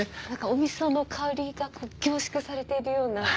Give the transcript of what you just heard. おみその香りが凝縮されているような。